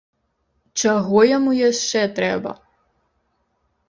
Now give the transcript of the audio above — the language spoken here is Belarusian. Чаго яму яшчэ трэба?!